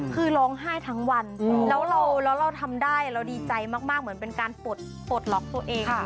คือร้องไห้ทั้งวันแล้วเราทำได้เราดีใจมากเหมือนเป็นการปลดล็อกตัวเอง